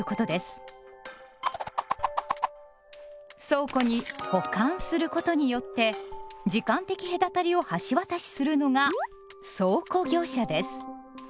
倉庫に「保管」することによって時間的隔たりを橋渡しするのが倉庫業者です。